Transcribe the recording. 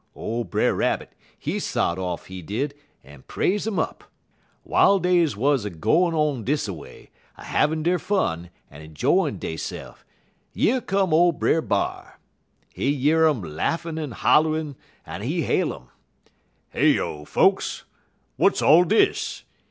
_ Ole Brer Rabbit, he sot off, he did, en praise um up. "W'iles dey wuz a gwine on dis a way, a havin' der fun, en 'joyin' deyse'f, yer come ole Brer B'ar. He year um laffin' en holl'in', en he hail um. "'Heyo, folks! W'at all dis?